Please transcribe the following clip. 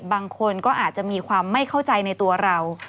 บางคนก็อาจจะมีความไม่เข้าใจในตัวเรา